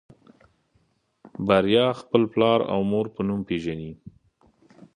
بريا خپل پلار او مور په نوم پېژني.